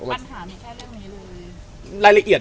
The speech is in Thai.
คำถามมันแค่เรื่องรายละเอียด